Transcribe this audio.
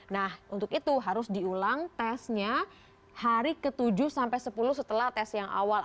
nah untuk itu harus diulang tesnya hari ke tujuh sampai sepuluh setelah tes yang awal